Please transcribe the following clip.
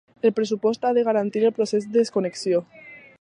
El pressupost ha de garantir el procés de desconnexió.